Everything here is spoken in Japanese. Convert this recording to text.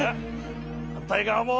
はんたいがわも。